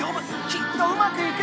きっとうまくいく！